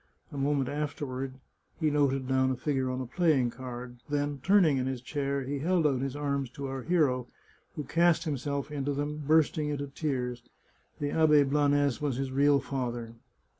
A moment afterward he noted down a figure on a playing card; then, turning in his chair, he held out his arms to our hero, who cast himself into them, bursting into tears. The Abbe Blanes was his real father.